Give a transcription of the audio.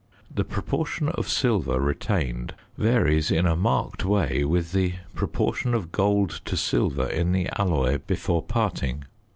The proportion of silver retained varies in a marked way with the proportion of gold to silver in the alloy before parting.